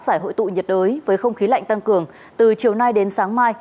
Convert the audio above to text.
giải hội tụ nhiệt đới với không khí lạnh tăng cường từ chiều nay đến sáng mai